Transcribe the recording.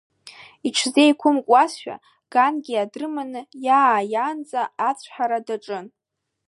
Иҽизеиқәымкуашәа, Гангиа дрыманы иааиаанӡа ацәҳара даҿын.